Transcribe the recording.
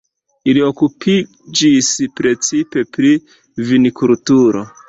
Ili okupiĝis precipe pri vinkulturo.